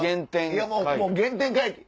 いやもう原点回帰。